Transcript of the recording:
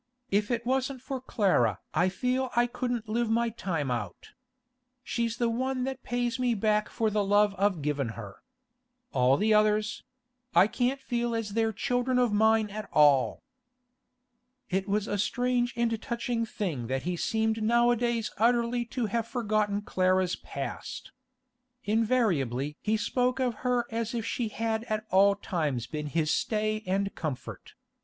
If it wasn't for Clara I feel I couldn't live my time out. She's the one that pays me back for the love I've given her. All the others—I can't feel as they're children of mine at all.' It was a strange and touching thing that he seemed nowadays utterly to have forgotten Clara's past. Invariably he spoke of her as if she had at all times been his stay and comfort.